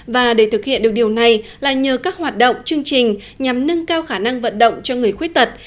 và để thực hiện được điều này là nhờ các hoạt động chương trình nhằm nâng cao khả năng vận động cho người khuyết tật